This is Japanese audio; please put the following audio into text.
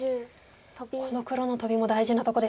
この黒のトビも大事なとこですか。